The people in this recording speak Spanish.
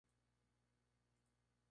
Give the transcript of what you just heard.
Las tramas eran bastante típicas.